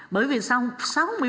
bởi vì sao